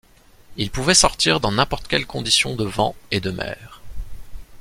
Il pouvait sortir dans n'importe condition de vent et de mer.